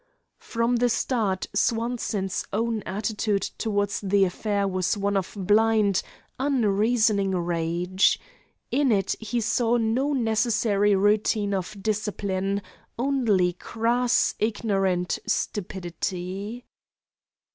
From the start Swanson's own attitude toward the affair was one of blind, unreasoning rage. In it he saw no necessary routine of discipline, only crass, ignorant stupidity.